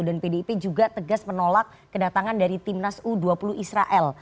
dan pdip juga tegas menolak kedatangan dari timnas u dua puluh israel